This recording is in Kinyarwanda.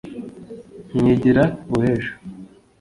nkigira uw'ejo